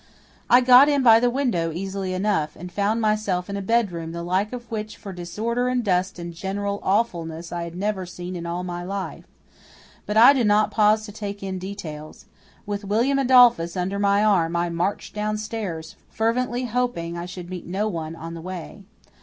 I got in by the window easily enough, and found myself in a bedroom the like of which for disorder and dust and general awfulness I had never seen in all my life. But I did not pause to take in details. With William Adolphus under my arm I marched downstairs, fervently hoping I should meet no one on the way.